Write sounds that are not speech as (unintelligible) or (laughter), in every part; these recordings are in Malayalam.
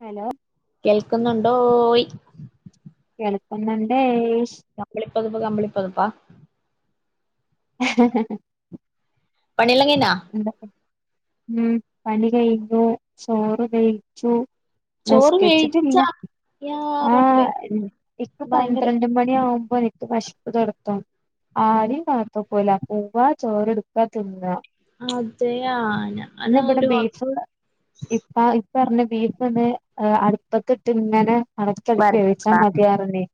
ഹലോ കേൾക്കുന്നുണ്ടോയി കേൾക്കുന്നുണ്ടേയ് നമ്മളെ പൊതപ്പ് കമ്പളിപ്പൊതപ്പാ എഹെഹെഹെ പണിയെല്ലാം കഴിഞ്ഞാ ന്താ ഉം പണി കഴിഞ്ഞു ചോറ് കയിച്ചു ചോറ് നിസ്‌ക്കരിച്ചിട്ടില്ല വേഴിച്ചാ യാ ആ റബ്ബേ ഇപ്പ ഭയങ്കര പന്ത്രണ്ട് മണിയാവും അപ്പോ എനിക്ക് വെശപ്പ് തൊടക്കം ആരെ കാത്ത്ക്കുല പോവ ചോറ് എടുക തിന്ന അതെയാ ഞാന് ഇന്നിവിടെ ഒരു ബീഫ് ഇപ്പ പറഞ്ഞു ബീഫന്നെ അടുപ്പത്തിട്ട് ഇങ്ങനെ ഇളക്കി ഇളക്കി വേവിച്ചാ വരട്ട മതിയാരുന്നേ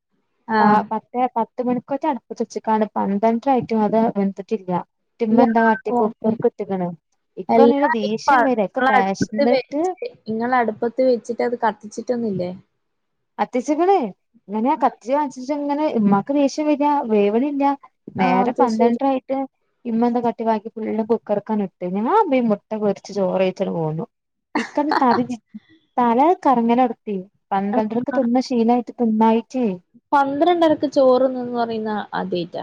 ആ ആഹ് പത്തേ പത് പത്ത് മണിക്കന്റെ അടുപ്പത്തു വച്ച് കാണ്ട് പന്ത്രണ്ടര ആയിട്ടും അത് വെന്തിട്ടില്ല ട്ട് യാ ഇമ്മെന്താ കാട്ടി കുക്കർ ഇട്ട്ക്ക്ണ് (unintelligible) ഇക്കാണെങ്കില് ദേഷ്യം വരാ ഇക്ക വെശന്നിട്ട് ഇങ്ങള അടുപ്പത്ത് വെച്ചിട്ട് അത് കത്തിച്ചിട്ടൊന്നില്ലേ കത്തിച്ചേക്കണ് എങ്ങനെയാ കത്തിച്ചു കാണിച്ചേച്ച അങ്ങനെ ഉമമാക്ക് ദേഷ്യം വര വേവ് ണില്ല ആഹ് നേരം അത് ശരി പന്ത്രണ്ടരയായിട്ട് ഇമ്മ എന്താ കാട്ടി ബാക്കി ഫുള്ള്കൂക്കറിക്കാണിട്ടു ഞാൻ മുട്ട പൊരിച്ച് ചോറ് വെയ്ച്ച് പോന്നു ഇക്കാന് തലചുറ്റ താല കറങ്ങലോടുത്തി പന്തഡ്രരാ തിന്ന് ശീലായി തിന്നായി പന്ത്രണ്ടരക്ക് ചോറന്നന്ന് പറയുന്ന ആദ്യായിറ്റ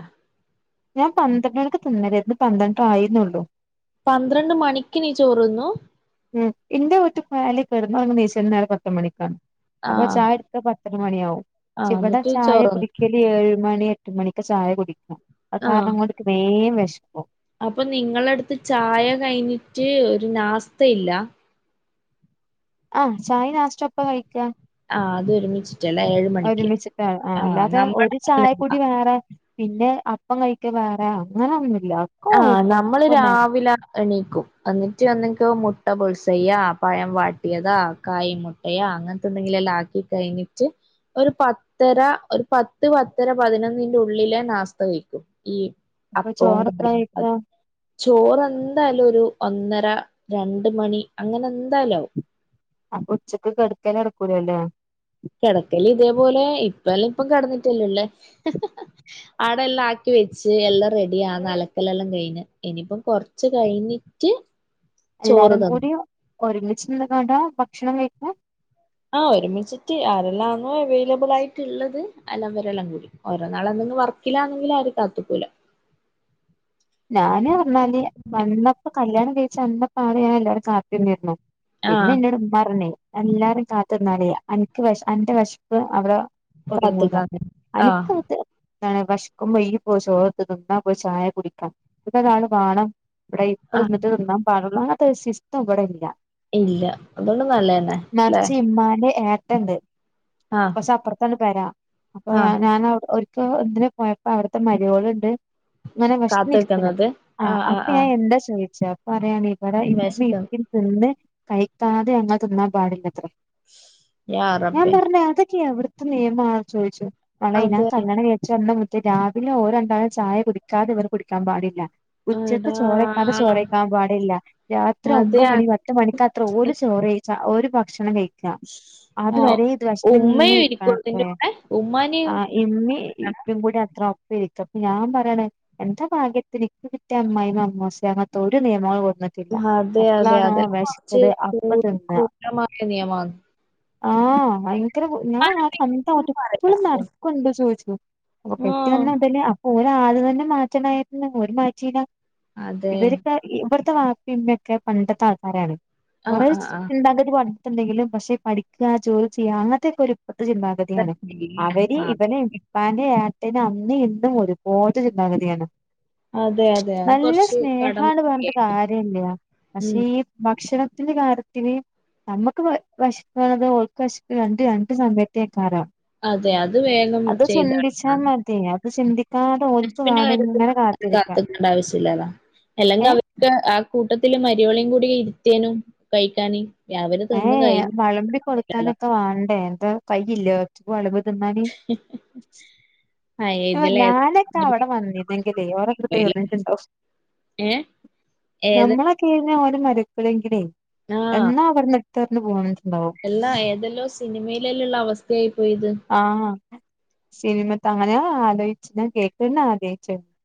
ഞാൻ പന്ത്രണ്ട്മണിക്ക് തിന്നല് ഇത് പന്ത്രണ്ടര ആയി നോള്ളൂ പന്ത്രണ്ട് മണിക്ക് നീ ചോറു തിന്നു ഹും ഇന്റെ വീട്ടിൽപോയാൽ കിടന്നുറങ്ങി നീച്ചൽ തന്നെ പത്ത് മണിക്കാണ് അപ്പൊ ആഹ് ചായ എടുക്ക പത്തര മണി യാവും ആഹ് ഇവടെ എന്നിട്ട് ചായ ചോറ്ന്നു കുടിക്കല് ഏഴുമണി എട്ട് മണിക്ക് ചായ കുടിക്കും ആ അപ്പൊ നിങ്ങളടുത്ത് ചായ കഴിഞ്ഞിട്ട് റ്റ് ഒരു നാസ്ഥതയില്ല ആ ചായ നാശ്ത്ത ഒപ്പ കഴിക്കാ ആഹ് അത് ഒരുമിച്ച് ഒരുമിച്ചിട്ട ആ അല്ലാതെ നമ്മള് ഒരു അങ്ങനല്ല ചായക്കൂടി വേറെ പിന്നെ അപ്പം കഴിക്ക് വേറെ അങ്ങനെ ആഹ് നമ്മള് രാവിലെ എണീറ്റ് ക്കും എന്നിട്ട് ഒന്നെക്ക് മുട്ട ബുൽസൈയ്യ പഴം വാട്ടിയതാ കായീ മുട്ടയാ അങ്ങനത്തെന്തെങ്കില എല്ലാം ആക്കിട്ട് കഴിഞ്ഞിട്ട് ഒരു പത്തര ഒരു പത്ത് പത്തര പതിനൊന്നിന്റെ ഉള്ളിലെ നാസ്ത കഴിക്കും ഈ അപ്പോം കറി കയിക്ക ചോറ് എന്തായാലും ഒരു ഒന്നര രണ്ട് മണി അങ്ങനെ എന്തായാലും ആവും അപ്പൊച്ചക്ക് കെട്ക്കലടക്കൂലല്ലേ? കെടക്കല് ഇതേപോലെ ഇപ്പ എല്ലാം ഇപ്പം കിടന്നിട്ടല്ലല്ലേ ആടെല്ലാക്കി വെച്ച് എല്ലാം റെഡി ആക അലക്കലെല്ലാം കഴിഞ്ഞ് ഇനിപ്പം കൊറച്ച് കഴിഞ്ഞിട്ട് ചോറ് എല്ലാരും തന്നു കൂടി ഒരുമിച്ച് നിന്നുനൊണ്ടാ ഭക്ഷണം കഴിക്ക? ആ ഒരുമിച്ചിട്ട് ആരെല്ലാന്നോ അവൈലബിൾ ആയിട്ടുള്ളത് അല്ലാം അവരെല്ലാം കൂടി ഓരോ നാൾ എന്തെങ്കിലും വർക്കില്ലാന്നെങ്കിലാരും കാത്തുക്കൂല ഞാന് (unintelligible) കാത്തിരിന്നിരുന്നോ ആഹ് പിന്നെന്നോട് പറഞ്ഞേ എല്ലാരും കാത്തിരുന്നാലേയ് അൻക് വെശ് അന്റെ വിശപ്പ് അവിടെ കാത്തിക്കാന് ആഹ് ന്താണ് വെശക്കുമ്പോ (unintelligible) പോ ചോറടുത്തിന്നാ പോയി ചായ കുടി ഇതെക്കാണ് പാഠം ഇവിടെ ഇപ്പ ആഹ് തിന്നിട്ട് തിന്നാൻ പാടുള്ളു അങ്ങനെ ഈ സിസ്റ്റം ഇവിടെ ഇല്ല ഇല്ല അതൊണ്ട് നല്ലതന്നെ ല്ലെ എണ്ട് കൊറച്ചപ്പർത്താണ് വരാം അപ്പൊ ആഹ് ഞാൻ ഞാനവടെ ഒരു പ്പൊ എന്തിനെ പോയപ്പോ അവിടുത്തെ മരോളിണ്ട് ഇങ്ങനെ വെ നീച്ച്ക്കുണ് കാത്ത്ക്കുന്നത് ആ ആഹ് ആഹ് അപ്പെ ഞാൻ ആഹ് എന്താ സൊയ്ച്ച പറയാണെ ഇവിടെ ഇപ്പ വെശ്ക്ക്ന്ന് ഇത്തിരി തിന്ന് കൈക്കാതെ ഞങ്ങൾ തിന്നാൻ പാടില്ലത്രെ യാ ഞാൻ റബ്ബേ പറഞ്ഞ അതൊക്കെയെവിടു ത്ത് നിയമാ ചോയ്ച്ചു വള ഇന അതെ കല്യാണം കയിച് വന്ന് രവിലെ ഓര് രണ്ടാളും ചായ കുടിക്കാതെവർ കുടി ട്ടാൻ പാടില്ല ഉച്ചക്ക് എടാ ചോറക്കാത ചോറയ്ക്കാൻ പാടില്ല രാത്രി ഒമ്പ അതെ മണി പത്ത് മണി ക്ക് അത്ര ഓല് ചോറ് വെയ്ച്ച ഒര് ഭക്ഷണം കയി അത് ആ വരെ ഇത് പ്രശ്നന്നെ ഉമ്മയും ഇരിക്കും അതിന്റെ ഇരിക്കരാത്രെ കൂടെ ആ ഉമ്മാനെയും ഇമ്മീം ഇപ്പിംകൂടി അത്ര ഇരിക്കപ്പ ഞാൻ പറയണ എന്താ ഭാഗ്യത്തിന് ഇക്ക് കിട്ടിയ അമ്മായിമ്മ അമ്മോശെ അങ്ങനത്തെ ഒരു നിയമങ്ങളു അതെ അതെ അതെല്ലാം കൊറച്ച് കൂ അപ്പ ക്രൂരമായ നിയമാണ് ആ അയ് ഇ ഞാൻ ആ സമയത്ത് ഇപ്പളും നടക്ക്‌ണ്ടോ ചോദിച്ചു അപ്പൊ കെട്ടി ആഹ് വന്നതലേ ആത് തന്നെ മാറ്റാനായി ഉം ഓര് മാറ്റില അതെ ഇവര്ക്ക ഇവർത്ത പിന്നെയൊക്കെ പണ്ടത്തെ ആൾക്കാരാണ്. ആഹ് കൊറേ ആഹ് ആഹ് ചിന്താഗതി ണ്ടെങ്കിലും പക്ഷെ പഠിക്ക ജോലി ചെയ്യ അങ്ങനത്തൊക്കെ ഒരു പത്ത് ചിന്തഗതിയാണ് അവര് ആഹ് ഇവനപ്പാന്റെ ഏ പിന്നെ അന്ന് ഇന്നും ഒരു പോൽത്തെ ചിന്താഗതിയാണ് അതെ അതെ അത് നല്ല കുറച്ച് കടന്ന് സ്നേഹാണ് പറഞ്ഞിട്ട് കാര്യ ഇല്ല പക്ഷെ ഉം ഈ ഭക്ഷണം ന്റെ കര്യത്തിന് നമുക്ക് വെ ശ്ക്കണത് ഓ വെശ്പ്പ് രണ്ട് രണ്ട് സമയത്തിക്കാരം അ അത് വേഗം ചെയ്ത ക അത് ചിന്തിക്കാതെ ഓൽക്ക് വേണ്ടി ഇങ്ങനെ കാത്തിരിക്കാം കാക്കേണ്ട ആവശ്യില്ല അല്ലെങ്കിൽ ഏ അവർക്ക് കൂട്ടത്തില് മാര്യോളേം കൂടി ഇരുത്തിയേനും കഴിക്കാന് അവര് ഏ തിന്ന് വളമ്പി കഴിഞ്ഞില്ലല്ലോ കൊടുക്കാനൊക്കെ വാ എന്താ കയ്യില്ലേ വ തിന്നാന് ആഹ് ഇതിലേതാ ഞാനൊക്കെ അവിടെ വന്നിതെങ്കിലേ ഓരക്കടുത്തർന്നിട്ടുണ്ടോ ഏഹ് ഏത് നമ്മളൊക്കെ മരക്കളെങ്കിലെ ആഹ് എന്നാ ആ പെണ്ണ് ഇട്ടർഞ്ഞു പോണ് എല്ലാ ഏതെല്ലോ സിനിമയിലല്ലള്ള അവസ്ഥയായി പോയത് സിനിമ തങ്ങനെയ ആലോച്ച് കേക്കുന്ന അതെ (unintelligible)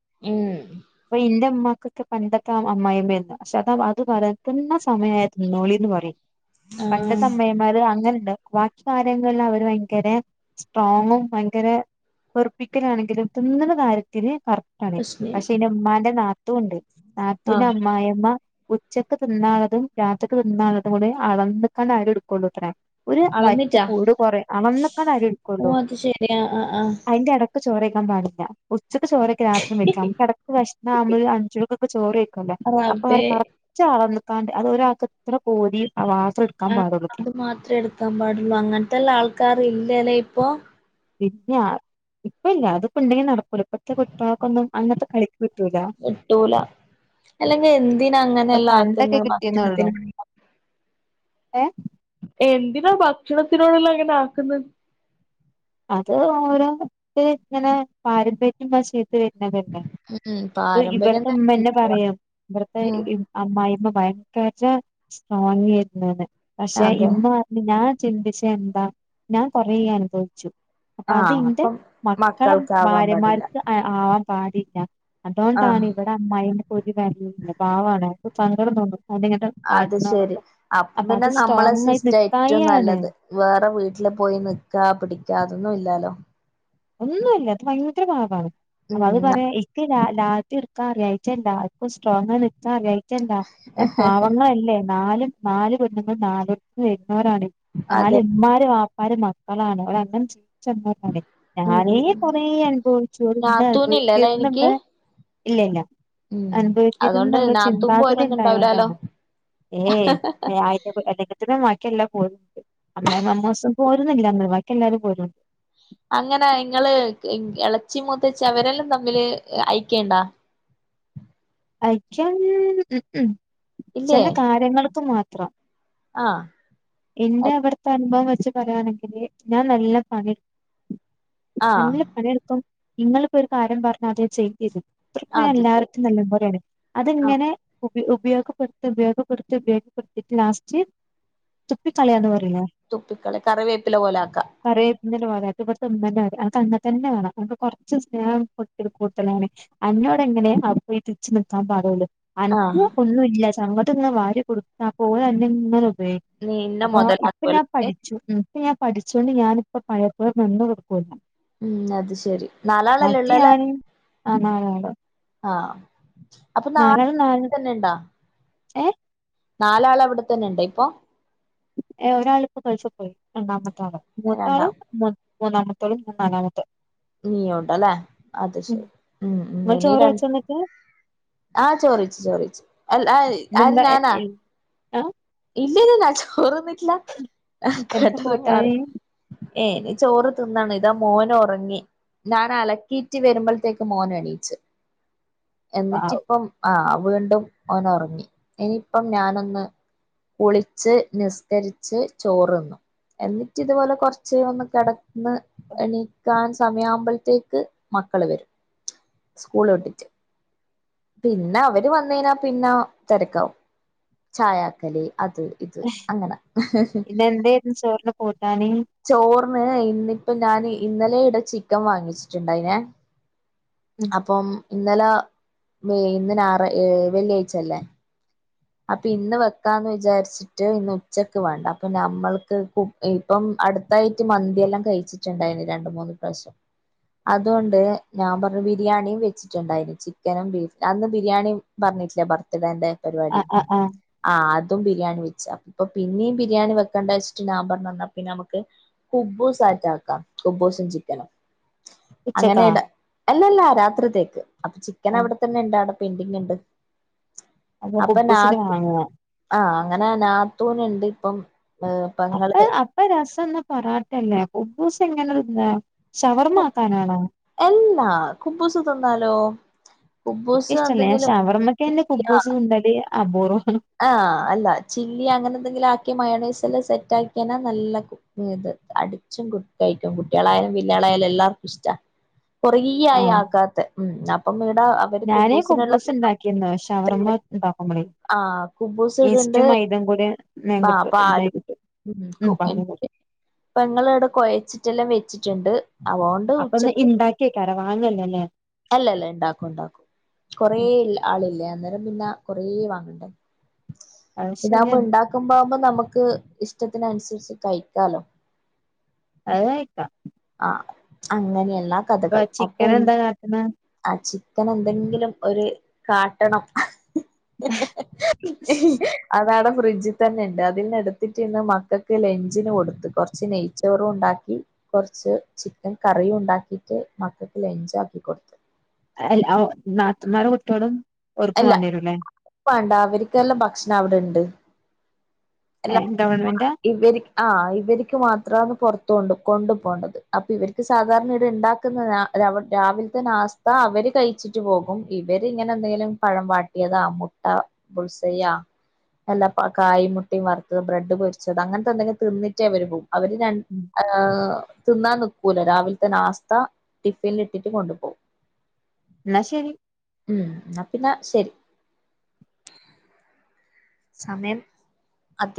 പ്പൊ എന്റും മ്മ ക്കെ പണ്ടത്തെ ആ അമ്മ്മായിമ്മന്ന് പക്ഷെ അത അത് പറത്തുന്ന സമയ തതിുന്നോളിന്ന് പറയും ആഹ് പണ്ടത്തമ്മയിമാര് അങ്ങനെ ബാക്കി കാര്യങ്ങളെല്ലാം അവര് ഭയങ്കര സ്ട്രോങ്ങും ഭയങ്കര പ്ര ക്കലാണെങ്കിലും തിന്നുന്ന കാര്യത്തിന് പ അതെ പ്രശ്ന പക്ഷെ എൻ്റെ ഉമ്മാന്റെ നാ തുണ്ട്. നാത്തൂൻ, ആഹ് അമ്മായിയമ്മ. ഉച്ചക്ക് തിന്നാനുള്ളതും രാത്രിക്ക് തിന്നാനുള്ളതും കൂടെ അളന്നേക്കാൻ അവര് എടുക്കുള്ളൂ അത്രേ. ഒരു വറ്റ് അളന്നിട്ടാ കൂട് കുറയും അളന്നേക്ക അരി ഓ എടുക്കുള്ളു. അത് ശരിയാ ആഹ് ആഹ് അതിന്റെ ഇട ചോറുകഴിക്കാൻ പാടില്ല. ഉച്ചക്ക്ചോറ് കഴിക്കാം രാത്രി വയ്ക്കാം. നമുക്ക് ഇടയ്ക്ക് വിശന്നാൽ നമ്മള് അഞ്ചു മണി കൊക്കെ ചോറ് കഴിക്കൂല്ലേ? അപ്പൊ അവര് റബ്ബേ കുറച്ച് അളന്ന് ക്കാന്റെ അത് ഒരാൾക്ക് ഇത്ര പോരി ആഹ് അത് മാത്രമേ എടുക്കാൻ പാടുള്ളൂ അങ്ങനത്തെല്ല ആൾക്കാർ ഈ (unintelligible) ഇപ്പൊ? പിന്നെ ഇപ്പ ഇല്ല അതിപ്പോ ഉണ്ടെങ്കി നടക്കൂല ഇപ്പഴത്തെ കുട്ടികൾക്കൊന്നും അങ്ങനത്തെ കഴി കിട്ടൂല അല്ലെങ്കിൽ എന്തിന അത് അങ്ങനെയല്ലാം പണ്ടൊക്കെ ആക്കുന്നത് കിട്ടിയെന്നള്ളു ഭക്ഷണത്തിന് ഏ (unintelligible) (unintelligible) ഭക്ഷണത്തിനോടെല്ലാം അങ്ങനെ ആക്കുന്നത്. അത് ഓരോ (unintelligible) ഇങ്ങനെ പാരമ്പര്യം (unintelligible) പിന്നെ പിന്നെ ഉം പാരമ്പര്യം ഇവടുത്തെ ഉമ്മ തന്നെ പറയും ഇവിടുത്തെ ഉം അമ്മായിമ്മ ഭ (unintelligible) പക്ഷെ അതെ ഇന്ന് പറഞ്ഞു ഞാൻ ചിന്തിച്ചാൽ എന്താ ഞാൻ കൊറേ അനുഭവിച്ചു. അപ്പൊ അതി ആഹ് ഇന്റെ അപ്പം മക്കളെ മക്കൾക്കാവാൻ പാടില്ല ഭാര്യമാർക്ക് ആവാൻ പാടി ല്ല. ആഹ് അതോണ്ടാണിവിടെ അമ്മായി (unintelligible) പാവാണ് അപ്പംസങ്കടം തോന്നും. അത് (unintelligible) ശരി അപ്പം അപ്പൊ അത് പിന്നെ നമ്മളെ സ്ട്രോങ് ആയി സിസ്റ്റം ഏറ്റവും നിക്കായാണ്. നല്ലത് വേറെ വീട്ടില് പോയി നിക്കാ പിടിക്കാ അതൊന്നും ഇല്ലാലോ? ഒന്നുംല്ല അത് ഭയങ്കര പാവാണ്. അപ്പ അത് ഉം പറയാ ഇക്ക രാ (unintelligible) സ്ട്രോങ്ങ്ആയി നീക്കാൻ അറിയഞ്ഞി മറ്റന്താ ഞാൻ പാവങ്ങളല്ലേ ന്നാലും നാല് പെണ്ണുങ്ങൾ നാല് (unintelligible) അതെ ര് മക്കളാണ് അവര് അങ്ങനെ ചെ ചന്ന (unintelligible) ഉം ഞാനേ ഉം ഉം കൊറെ അനുഭവിച്ചു ഇന്ന നാത്തൂനില്ലല്ലേ എനിക്ക് അനുഭവിക്കന്നുണ്ട് ഇല്ല ഇല്ല ഉം അനുഭവിക്കര്ത് അതുകൊണ്ട് ന്നുള്ള നാത്തൂൻ ചിന്താഗതി പോരൊന്നും ഉണ്ടാവൂലാലോ ണ്ടായോണ്ടാണ് ഏയ് (unintelligible) ക്കില്ലാ പോ (unintelligible) ല്ലാന്ന് ബാക്കി എല്ലാരും പോരും ണ്ട് അങ്ങന ങ്ങള് ഇളച്ചി മൂത്തച്ചി അവരെല്ലാം തമ്മില് അയ് ക്കണ്ടാ അയ്ക്കം (unintelligible) ചെല കാര്യങ്ങള്ക്ക് മാ ത്രം ആ ഇന്റെ അവിടത്തെ അനുഭവം വെച്ച് പറയാണെങ്കില് ഞാൻ നല്ല പണി എടു ആഹ് നല്ല പണി എടുക്കോം ഇങ്ങള് ഒരു കാര്യം പറഞ്ഞാ ത്‌ ചെയ്യരുത് ഞാൻ അത് ശരി എല്ലാർത്തും നല്ല പോലെയാണ് ആഹ് അതിങ്ങനെ ഉപയോഗപ്പെടുത്ത് ഉപയോഗപ്പെടുത്ത് ഉപയോഗപ്പെടുത്തിട്ട് ലാസ്റ്റ് തുപ്പിക്കളയന്ന് പറയിലെ തുപ്പിക്കളി കറിവേപ്പില പോലെ ആക്കാ പറ (unintelligible) അൻക്ക് അങ്ങനെ തന്നെ വേണം അനക്ക് കൊറച്ച് സ്നേഹം കൊടുക്കല് കൂടുതലാണ് എന്നോടെങ്ങനെ അപ്പൊ ഈ തിച്ച് നിക്കാൻ പാടൊള്ള് ആഹ് അൻക്ക് ഒന്നുല്ല അങ്ങട്ട് ങ്ങ വാരി കൊടുക്ക അപ്പോ ഓൽ അന്നെ ഇങ്ങനെ ഉപയോഗി നീ ഇന്നെ അപ്പോ ഇപ്പ ഞാ മൊതലാക്കുവല്ലേ പഠിച്ചു ഉം പ്പ ഞാൻ പഠിച്ചാേണ്ട് ഞാനിപ്പ പഴയപോലെ നിന്ന് കൊട്ക്കൂല്ല ഉം അത് ശെരി നാലാളല്ലെള്ളെല്ലേ ഞാന് ആ നാലാള് ആ അപ്പോ നാ നാലാള് നാല് തന്നെണ്ടാ ഏ നാലാള് അവിടെത്തന്നെണ്ട ഇപ്പോ എ ഒരാള്പ്പോ ഗൾഫ് പാെയ് രണ്ടാമ ത്താള് രണ്ടാ മൂത്താള് മു മൂന്നാമത്തോളും നാലാമത്തെ നീയോട്ടല്ലെ അത് ഉം ശെരി ഉം ഉം നിങ്ങൾ ഇനി ചോറ് രൺ വെച്ചോ എന്നിട്ട് ആ ചോറെയ്ച്ച് ചോറെയ്ച്ച് അല്ല അത് ആര് ഇന്നെന്താ എ- ഞാനാ എ- ആ ഇ ഇല്ലല്ലാ ചോറ്ന്നി എന്താ കേട്ടത് മാറി കൂട്ടാന് ഏ നി ചോറ് തിന്നാണ് ഇതാ മോന് ഒറങ്ങി ഞാനലക്കീറ്റ് വരുമ്പൾത്തേക്ക് മോനെണീച്ച് വൗ എന്നിട്ട് ഇപ്പം ആ വീണ്ടും ഓനൊറങ്ങി ഇനിയിപ്പം ഞാനൊന്ന് കുളിച്ച് നിസ്കരിച്ച് ചോറ്ണ്ണും എന്നിട്ട് ഇത്പോലെ കാെർച്ച് ഒന്ന് കെട ന്ന് എണീക്കാൻ സമയ ആമ്പോഴത്തേക്ക് മക്കള് വരും സ്കൂൾ വിട്ടിട്ട് പിന്നെ അവര് വന്ന് കഴിഞ്ഞാൽ പിന്നെ തിരക്കാവും ചായ ആക്കല് അത് ഇത് അങ്ങനെ ഇന്നെന്തേരുന്നു ചോറിന് കൂട്ടാന് ചോറ്. ഇന്ന് ഇന്നിപ്പോ ഞാൻ ഇന്നലെ ഇടെ ചിക്കൻ വാങ്ങിച്ചിട്ടുണ്ടായിനെ. ഉം അപ്പം ഇന്നലെ മെയ്‌ ഇന്ന് ഞായർ ഏഹ് വെള്ളിയാഴ്ചല്ലേ. അപ്പൊ ഇന്ന് വെക്കാന്ന് വിചാരിച്ചിട്ട് ഇന്ന് ഉച്ചക്ക് വേണ്ട അപ്പൊ നമ്മൾക്ക് കു ഇപ്പം അടുത്തായിട്ട് മന്തിയെല്ലാം കഴിച്ചിട്ടുണ്ടായിന് രണ്ട് മൂന്ന് പ്രാവശ്യം, അതുകൊണ്ട് ഞാൻ പറഞ്ഞു ബിരിയാണിയും വെച്ചിട്ടുണ്ടായിന് ചിക്കനും ബീഫും, അന്ന് ബിരിയാണി പറഞ്ഞിട്ടില്ലേ ബർത്ത്ഡേന്റെ. പരിപാടി ആഹ് ആഹ് ഇന്നും ബിരിയാണി വെച്ചാ അപ്പൊ പിന്നെയും ബിരിയാണി വെക്കേണ്ട വെച്ചിട്ട് ഞാൻ പറഞ്ഞു എന്നാ പിന്നെ നമുക്ക് കുബൂസ് ആറ്റ് ആക്കാം കുബൂസും ചിക്കനും. ഉച്ചക്കാ അല്ലല്ലാ രാത്രിത്തേക്ക്. അപ്പൊ ചിക്കൻ ആ അവിടെത്തന്നെ ഇണ്ടായിരുന്നു. പെയിന്റിംഗ് ഉണ്ട് അപ്പൊ നാ കുബ്ബൂസിന് വാങ്ങുവാ ആഹ് അങ്ങനെ നാത്തൂനുണ്ട്. അപ്പം അപ്പൊ അപ്പൊ രസം അന്ന് പൊറോട്ട അല്ലെ കുബൂസ് എങ്ങനെ എങ്ങനെയുണ്ട്. ഇതാ എല്ലാ കുബുസു തിന്നാലോ എനിക്ക് കുബൂസ് ഇഷ്ടല്ല ഞാൻ എന്തെങ്കിലും ഷവർമ്മക്ക് തന്നെ കുബൂസ് തിനലി അപൂർവ ആഹ് അല്ല ചില്ലി അങ്ങനെ എന്തെങ്കിലും ആക്കിയ മയണെസ് നല്ല സെറ്റ് ആക്കിയാനാ നല്ല ഇത് അടിച്ചും കഴിക്കും കുട്ടികളായാലും വെല്ലയാളായാലും എല്ലാർക്കും ഇഷ്ടാ കൊറേ ആയി ആഹ് ആക്കാത്ത ഉം അപ്പം ഇവിടെ അവര് ഞാനേ കുബ്ബൂസ് കുബൂസിനുള്ളതെല്ലാം ഉണ്ടാക്കിരുന്നു ഷവർമ്മ ഉണ്ടാക്കുമ്പളേ ആഹ് കുബൂസ് ഇടുണ്ട് ഈസ്റ്റും മൈദം കൂടി ആ മേങ്കട്ട് ഉണ്ടായി പാലും കിട്ടും ഉം വാങ്ങി കൊടുക്കും. പെങ്ങൾ ഇടെ കുഴച്ചിട്ടെല്ലാം വേ വച്ചിട്ടുണ്ട് അപ്പൊ ഒന്ന് ഇണ്ടാക്കി വക്കാരോ വാങ്ങലല്ല ല്ലേ അല്ല അല്ല ഇണ്ടാക്കും ഇണ്ടാക്കും കൊറെ ഉം ആളില്ലേ അന്നേരം പിന്നെ കൊറേ വാങ്ങണ്ടേ അത് ഇതാവുമ്പം ശരിയാണ് ഇണ്ടാക്കവുമ്പോ നമുക്ക് ഇഷ്ടത്തിന്നുസരിച്ച് കഴിക്കാലോ അത് കഴിക്ക ആ അങ്ങനെയ എല്ലാ കഥകൾ അപ്പൊ ചിക്കൻ എന്താ കാട്ട്ണെ ആച്ചി ചിക്കൻ എന്തെങ്കിലും ഒരു കാട്ടണം ഹ് ഹ് അതാണ് ഫ്രിഡ്ജിൽ തന്നെ ഇണ്ട് അതിൽന്ന് എടുത്തിട്ട് ഇന്ന് മക്കൾക്ക് ലെഞ്ചിന് കൊടുത്ത് കൊറച്ച് നെയ്ച്ചോറും ഇണ്ടാക്കി കൊറച്ച് ചിക്കൻ കറിയുണ്ടാക്കിട്ട് മക്കൾക്ക് ലെൻജാക്കി കൊടുത്തു അല്ല നാത്തൂന്മാരു കുട്ട്യേലും ഓർക്കും അല്ല വാണ്ടിരുലെ വേണ്ട അവർക്കെല്ലാം ഭക്ഷണം അവിടെണ്ട് ഏ ഗവൺമെന്റ ആ ഇവർക്ക് മാത്രന്ന് പുറത്തണ്ട് കൊണ്ടു പോണ്ടത് അപ്പൊ ഇവർക്ക് സാധാരണ ഇടെ ഉണ്ടാക്കുന്ന രാവിലത്തെ നാസ്ത അവര് കഴിച്ചിട്ട് പോകും ഇവരി ഇങ്ങനെ എന്തെങ്കിലും പഴം വാട്ടിയതാ മുട്ട ബുൾസ്യ എല്ല കായ് മുട്ട വറുത്തത് ബ്രെഡ് പൊരിച്ചത് അങ്ങനത്തെ എന്തെങ്കിലും തിന്നിട്ടേ അവര് പോവും അവര് ര ഉം ഏ തിന്നാൻ നിക്കൂല രാവിലത്തെ നാസ്ത ടിഫിനിലിട്ടിട്ട് കൊണ്ടുപോകും ന്ന ശെരി ഉം ആ പിന്നെ ശെരി സമയം അധി